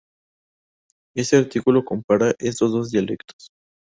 Este artículo compara estos dos dialectos.